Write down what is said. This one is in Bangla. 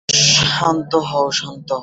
শান্ত হও, শান্ত হও।